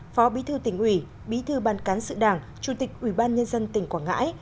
phó bí thư tỉnh ủy bí thư ban cán sự đảng chủ tịch ủy ban nhân dân tỉnh quảng ngãi